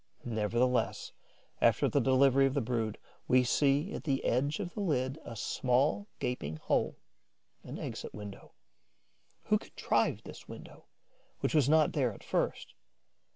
Nevertheless, after the delivery of the brood, we see, at the edge of the lid, a small, gaping hole, an exit window. Who contrived this window, which was not there at first?